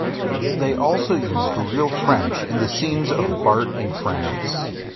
They also used real French in the scenes of Bart in France.